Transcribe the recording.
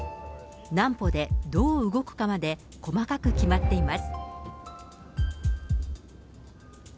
何歩でどう動くかまで、細かく決まっています。